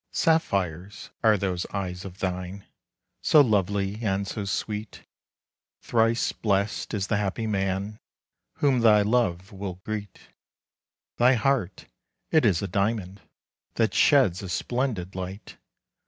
Sapphires are those eyes of thine, So lovely and so sweet, Thrice blessed is the happy man Whom they with love will greet. Thy heart, it is a diamond, That sheds a splendid light.